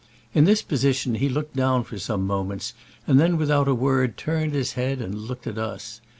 In this po sition he looked down for some moments, and then without a word turned his head and looked at us.